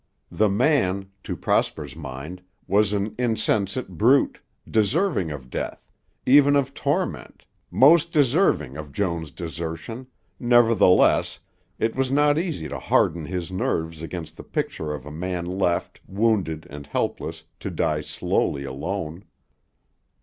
The man, to Prosper's mind, was an insensate brute, deserving of death, even of torment, most deserving of Joan's desertion, nevertheless, it was not easy to harden his nerves against the picture of a man left, wounded and helpless, to die slowly alone.